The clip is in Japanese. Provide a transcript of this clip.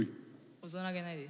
大人げないです。